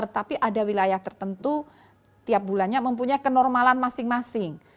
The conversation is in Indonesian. tetapi ada wilayah tertentu tiap bulannya mempunyai kenormalan masing masing